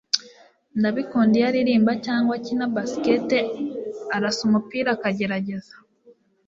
Ndabikunda iyo aririmba cyangwa akina basketball arasa umupira akagerageza